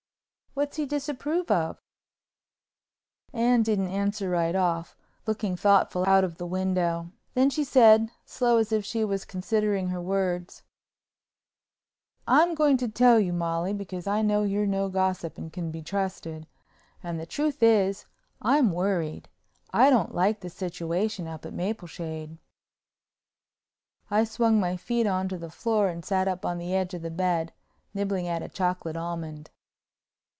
"What's he disapprove of?" Anne didn't answer right off, looking thoughtful out of the window. Then she said slow as if she was considering her words: "I'm going to tell you, Molly, because I know you're no gossip and can be trusted, and the truth is, I'm worried. I don't like the situation up at Mapleshade." I swung my feet on to the floor and sat up on the edge of the bed, nibbling at a chocolate almond.